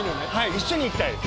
一緒に行きたいです。